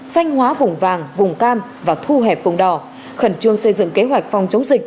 xanh hóa vùng vàng vùng cam và thu hẹp vùng đỏ khẩn trương xây dựng kế hoạch phòng chống dịch